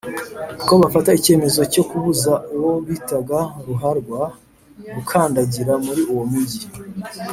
ko bafata icyemezo cyo kubuza uwo bitaga ruharwa gukandagira muri uwo mujyi.